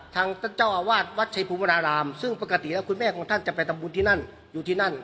ทางเจ้าอาวาสวัตรชัยภูมิรารามซึ่งปกติแล้วคุณแม่ของท่านจะไปตำบูรณ์ที่นั่น